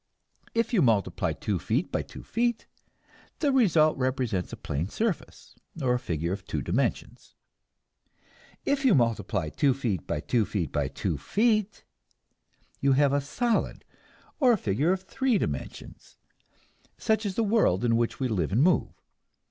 If you multiply two feet by two feet, the result represents a plain surface, or figure of two dimensions. If you multiply two feet by two feet by two feet, you have a solid, or figure of three dimensions such as the world in which we live and move.